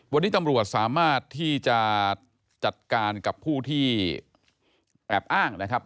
วันนี้ตำรวจสามารถที่จะจัดการกับผู้ที่แอบอ้างนะครับ